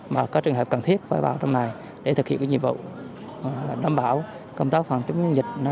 mà có trường hợp cần thiết phải vào trong này để thực hiện nhiệm vụ đảm bảo công tác phòng chống dịch